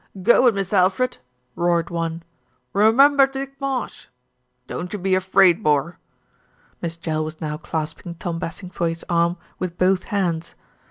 "Go it, Mist' Alfred!" roared one. "Remember Dick Marsh!" "Don't you be afraid, bor." Miss Jell was now clasping Tom Bassingthwaighte's arm with both hands.